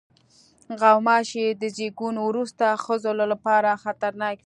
غوماشې د زیږون وروسته ښځو لپاره خطرناک وي.